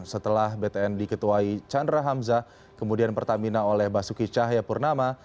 setelah btn diketuai chandra hamzah kemudian pertamina oleh basuki cahayapurnama